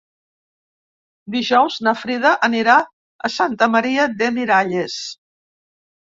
Dijous na Frida anirà a Santa Maria de Miralles.